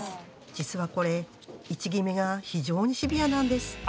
実は、これ位置決めが非常にシビアなんです。